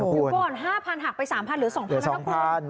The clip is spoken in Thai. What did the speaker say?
อยู่ก่อน๕๐๐๐หักไป๓๐๐๐เหลือ๒๐๐๐บาทนะครับคุณ